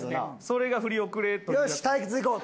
それが振り遅れという。